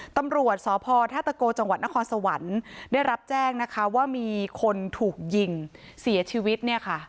ตำรวจสพธาตะโกจังหวัดนครสวรรค์ได้รับแจ้งนะคะว่ามีคนถูกยิงเสียชีวิตเนี่ยค่ะ